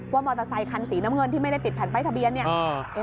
มอเตอร์ไซคันสีน้ำเงินที่ไม่ได้ติดแผ่นป้ายทะเบียนเนี่ย